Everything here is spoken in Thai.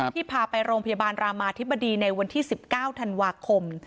พาไปโรงพยาบาลรามาธิบดีในวันที่๑๙ธันวาคม